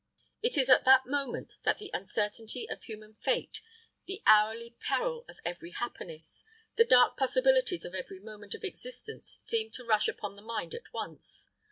It is at that moment that the uncertainty of human fate, the hourly peril of every happiness, the dark possibilities of every moment of existence seem to rush upon the mind at once.